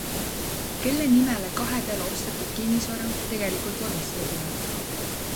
Kelle nimele kahepeale ostetud kinnisvara tegelikult vormistada tuleb?